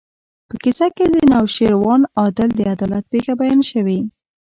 په کیسه کې د نوشیروان عادل د عدالت پېښه بیان شوې.